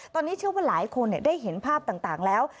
ตอนนี้เชื่อว่าหลายคนได้เห็นภาพต่างแล้ว